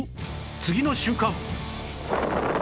次の瞬間！